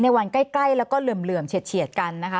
วันใกล้แล้วก็เหลื่อมเฉียดกันนะคะ